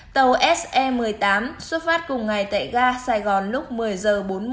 tàu se một mươi tám xuất phát cùng ngày tại gà sài gòn lúc một mươi giờ bốn mươi